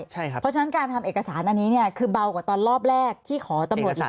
เพราะฉะนั้นการทำเอกสารอันนี้เนี่ยคือเบากว่าตอนรอบแรกที่ขอตำรวจอีก